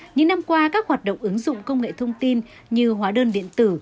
những năm qua các hoạt động ứng dụng công nghệ thông tin như hóa đơn điện tử